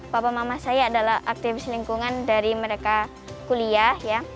papa mama saya adalah aktivis lingkungan dari mereka kuliah ya